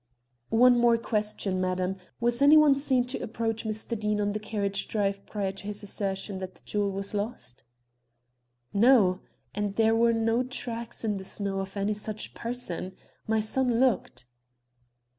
"One more question, madam. Was any one seen to approach Mr. Deane on the carriage drive prior to his assertion that the jewel was lost?" "No. And there were no tracks in the snow of any such person. My son looked."